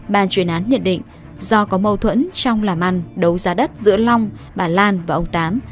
bàn chuyên án nhận định do có mâu thuẫn trong làm ăn đấu giá đất giữa long bà lan và ông tám